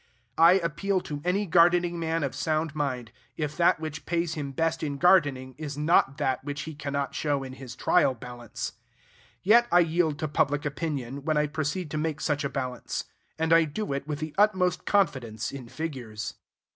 I appeal to any gardening man of sound mind, if that which pays him best in gardening is not that which he cannot show in his trial balance. Yet I yield to public opinion, when I proceed to make such a balance; and I do it with the utmost confidence in figures.